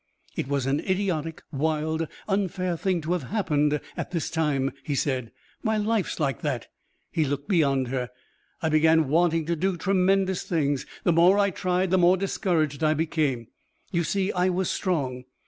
"It was an idiotic, wild, unfair thing to have happen at this time," he said. "My life's like that." He looked beyond her. "I began wanting to do tremendous things. The more I tried, the more discouraged I became. You see, I was strong.